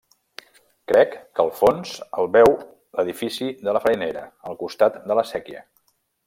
Crec que al fons el veu l'edifici de la farinera, al costat de la séquia.